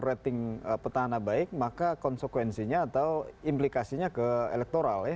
rating petahana baik maka konsekuensinya atau implikasinya ke elektoral ya